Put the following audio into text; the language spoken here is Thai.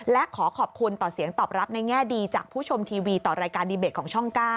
และขอขอบคุณต่อเสียงตอบรับในแง่ดีจากผู้ชมทีวีต่อรายการดีเบตของช่อง๙